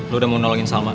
lu udah mau nolongin salma